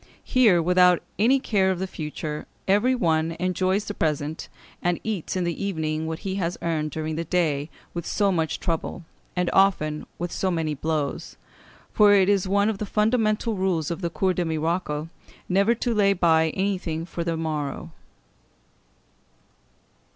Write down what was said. Here, without any care for the future, every one enjoys the present; and eats in the evening what he has earned during the day with so much trouble, and often with so many blows; for it is one of the fundamental rules of the Cour des Miracles never to lay by anything for the morrow.